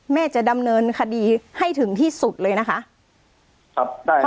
จะดำเนินคดีให้ถึงที่สุดเลยนะคะครับได้ครับ